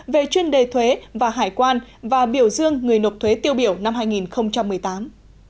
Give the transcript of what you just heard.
về chuyên đề thuế và hải quan và biểu dương người nộp thuế tiêu biểu năm hai nghìn một mươi tám